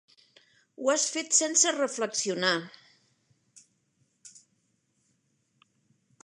Ho has fet sense reflexionar.